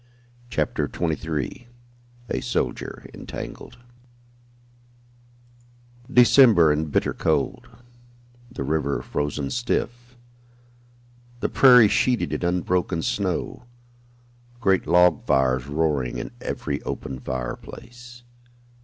CHAPTER XXIII A SOLDIER ENTANGLED December and bitter cold. The river frozen stiff. The prairie sheeted in unbroken snow. Great log fires roaring in every open fireplace.